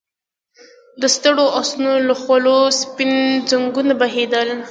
د ستړو آسونو له خولو سپين ځګونه بهېدل.